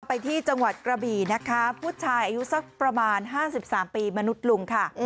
ไปที่จังหวัดกระบี่นะคะผู้ชายอายุสักประมาณ๕๓ปีมนุษย์ลุงค่ะ